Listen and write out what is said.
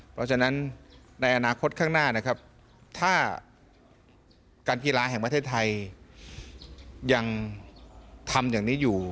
เพราะฉะนั้นในอนาคตข้างหน้านะครับถ้าการกีฬาแห่งประเทศไทยยังทำอย่างนี้อยู่